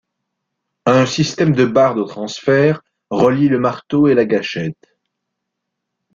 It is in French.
Un système de barre de transfert relie le marteau et la gâchette.